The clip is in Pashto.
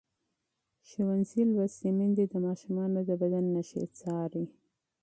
ښوونځې لوستې میندې د ماشومانو د بدن نښې څاري.